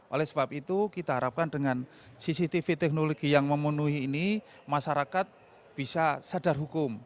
oleh sebab itu kita harapkan dengan cctv teknologi yang memenuhi ini masyarakat bisa sadar hukum